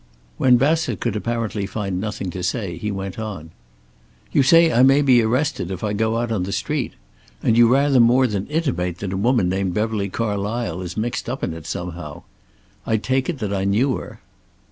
When Bassett could apparently find nothing to say he went on: "You say I may be arrested if I go out on the street. And you rather more than intimate that a woman named Beverly Carlysle is mixed up in it somehow. I take it that I knew her."